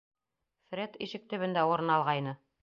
Фред ишек төбөндә урын алғайны.